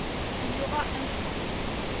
Il y aura un souper…